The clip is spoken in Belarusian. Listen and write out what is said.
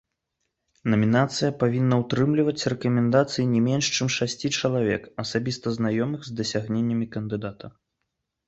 Намінацыя павінна ўтрымліваць рэкамендацыі не менш чым шасці чалавек, асабіста знаёмых з дасягненнямі кандыдата.